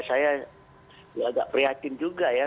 saya agak prihatin juga ya